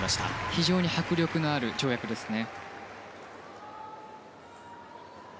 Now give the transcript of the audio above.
非常に迫力のある跳躍ですね。